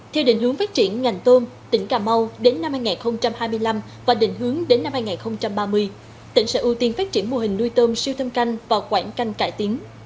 theo định hướng phát triển ngành tôm tỉnh cà mau đến năm hai nghìn hai mươi năm và định hướng đến năm hai nghìn ba mươi tỉnh sẽ ưu tiên phát triển mô hình nuôi tôm siêu thâm canh và quảng canh cải tiến